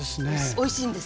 おいしいんです。